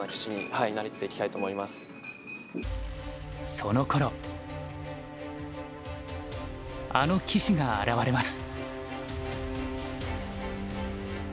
そのころあの棋士が現れます。